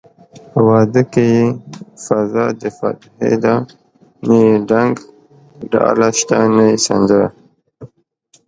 په واده کې يې فضادفاتحې ده نه يې ډنګ دډاله شته نه يې سندره